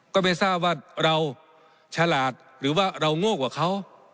ก็ไม่ทราบว่าเราฉลาดหรือว่าเราโง่กว่าเขา